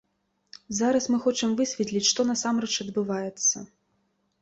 Зараз мы хочам высветліць, што насамрэч адбываецца.